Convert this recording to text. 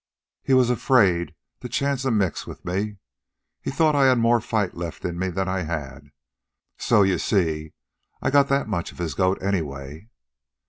He was afraid to chance a mix with me. He thought I had more fight left in me than I had. So you see I got that much of his goat anyway.